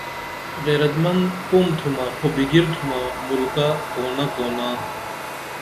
غیرت من قوم تُھمہ خو بِگِرِ تُھمہ ملکہ کونہ کونا